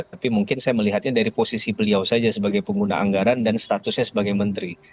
tapi mungkin saya melihatnya dari posisi beliau saja sebagai pengguna anggaran dan statusnya sebagai menteri